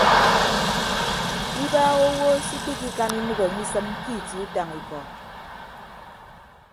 Ibaaha owo se ikpikikan inәk enye isịn ke itie utañ ikọ.